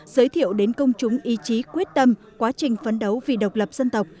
giới thiệu đến công chúng ý chí quyết tâm quá trình phấn đấu vì độc lập dân tộc